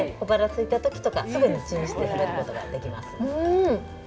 すいたときとかすぐにチンして食べることができます。